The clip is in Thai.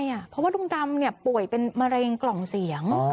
เพราะว่าลุงดำป่วยเป็นมะเร็งกล่องเสียง